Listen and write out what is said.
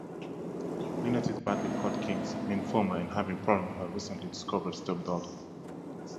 Lynette is battling Hodgkin's lymphoma and having problems with her recently discovered stepdaughter.